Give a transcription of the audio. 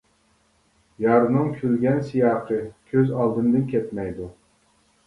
يارنىڭ كۈلگەن سىياقى، كۆز ئالدىمدىن كەتمەيدۇ.